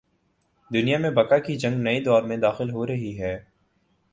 دنیا میں بقا کی جنگ نئے دور میں داخل ہو رہی ہے۔